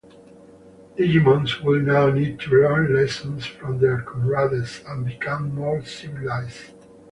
Digimons would now need to learn lessons from their comrades and become more civilized.